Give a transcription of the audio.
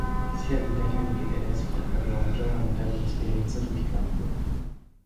Sia gli italiani che i tedeschi avevano già una notevole esperienza sul campo.